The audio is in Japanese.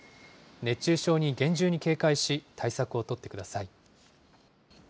熱中症に厳重に警戒し、対策を取っください。